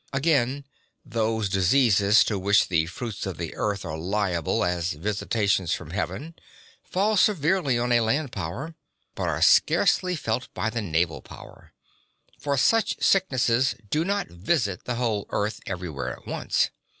Again, those diseases to which the fruits of the earth are liable as visitations from heaven fall severely on a land power, but are scarcely felt by the navel power, for such sicknesses do not visit the whole earth everywhere at once.